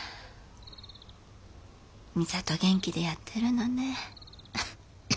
美里元気でやってるのね。